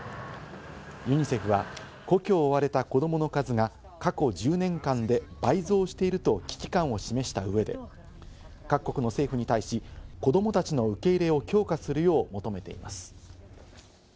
ユニセフは故郷を追われた子どもの数が過去１０年間で倍増していると危機感を示した上で各国の政府に対し、子供たちの受け入れを強化するよう求めています。